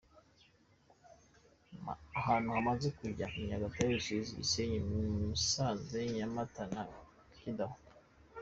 Ahantu bamaze kujya ni Nyagatare, Rusizi, Gisenyi, Musanze, Nyamata na Kidaho.